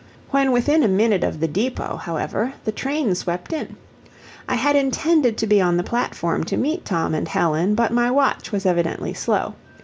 When within a minute of the depot, however, the train swept in. I had intended to be on the platform to meet Tom and Helen, but my watch was evidently slow.